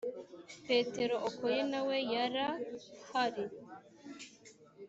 petero okoye nawe yara hari